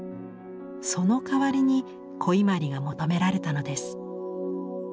その代わりに古伊万里が求められたのです。